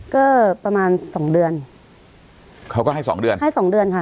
ก็ประมาณสองเดือนเขาก็ให้สองเดือนให้สองเดือนค่ะ